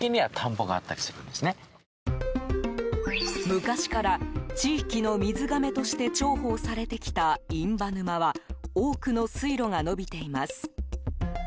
昔から、地域の水がめとして重宝されてきた印旛沼は多くの水路が延びています。